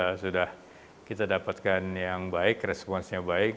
kalau sudah kita dapatkan yang baik responsnya baik